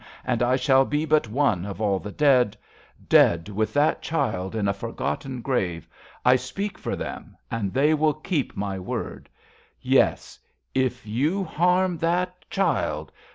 And I shall be but one of all the dead, Dead, with that child, in a forgotten grave — I speak for them, and they will keep my word. Yes, if you harm that child